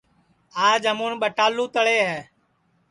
آج ہمون ٻٹالو تݪے ہے